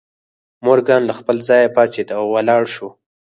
مورګان له خپل ځایه پاڅېد او ولاړ شو